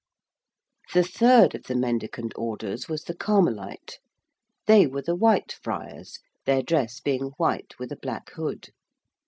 The third of the Mendicant Orders was the Carmelite. They were the Whitefriars, their dress being white with a black hood.